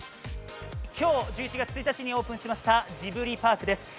今日１１月１日にオープンしましたジブリパークです。